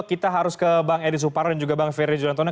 kita harus ke bang edi suparno dan juga bang ferry juliantono